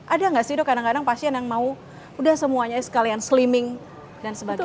ada nggak sih dok kadang kadang pasien yang mau udah semuanya sekalian slimming dan sebagainya